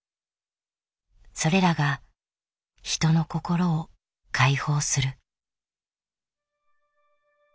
それらが人の心を解放する。